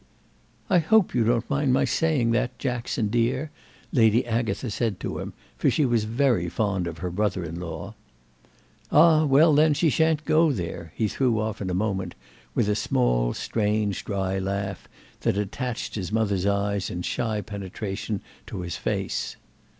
"I hope you don't mind my saying that, Jackson dear," Lady Agatha said to him, for she was very fond of her brother in law. "Ah well then, she shan't go there," he threw off in a moment with a small strange dry laugh that attached his mother's eyes in shy penetration to his face.